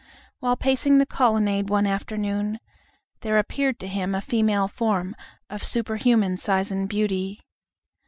While pacing the colonnade one afternoon, there appeared to him a female form of superhuman size and beauty.